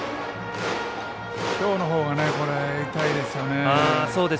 きょうのほうが痛いですよね。